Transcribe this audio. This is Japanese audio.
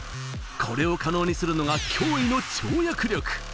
これを可能にするのが驚異の跳躍力。